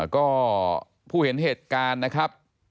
ก็ผู้เห็นเหตุการณ์นะครับ